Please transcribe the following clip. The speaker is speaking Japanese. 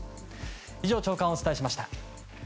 以上、朝刊をお伝えしました。